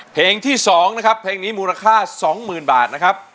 เพลงที่๒นะครับเพลงนี้มูลค่า๒๐๐๐บาทนะครับ